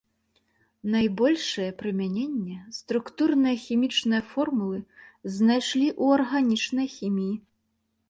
Найбольшае прымяненне структурныя хімічныя формулы знайшлі ў арганічнай хіміі.